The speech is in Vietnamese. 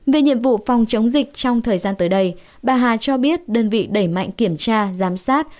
về nhiệm vụ phòng chống dịch trong thời gian tới đây bà hà cho biết đơn vị đẩy mạnh kiểm tra giám sát